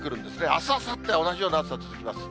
あす、あさっては、同じような暑さ続きます。